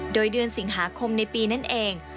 โดยเดือนสิงหาคมในปีนั้นเอง